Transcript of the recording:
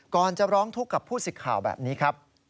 ก่อนจะร้องทุกข์กับผู้สิทธิ์ข่าวแบบนี้ครับ